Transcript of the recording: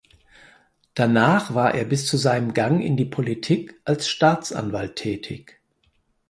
Danach war er bis zu seinem Gang in die Politik als Staatsanwalt tätig.